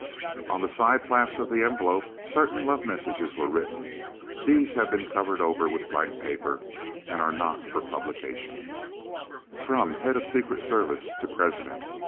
On the side flaps of the envelope certain love messages were written. These have been covered over with blank paper and are not for publication. [Illustration: (I) LETTER FROM HEAD OF SECRET SERVICE TO PRESIDENT.